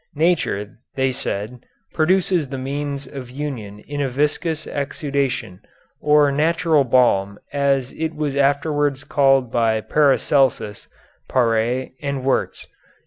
Nature, they said, produces the means of union in a viscous exudation, or natural balm, as it was afterwards called by Paracelsus, Paré, and Wurtz.